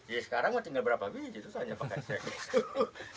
ya sekarang mah tinggal berapa biji tuh saja pak sekdes